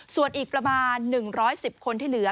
ส่วนอีกประมาณ๑๑๐คนที่เหลือ